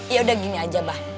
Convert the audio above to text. yaudah gini aja abah